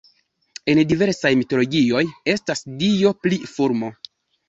En diversaj mitologioj estas dio pri fulmo.